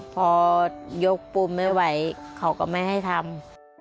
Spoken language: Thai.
พอยกปุ่มไม่ไหวเขาก็ไม่ให้ทำ